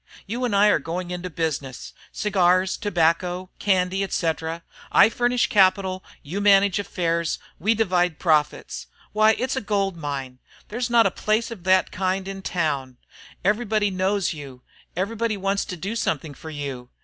You and I are going into business, cigars, tobacco, candy, etc. I furnish capital, you manage affairs, we divide profits. Why, it's a gold mine! There's not a place of that kind in town. Everybody knows you, everybody wants to do something for you.